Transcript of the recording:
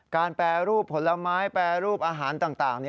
แปรรูปผลไม้แปรรูปอาหารต่าง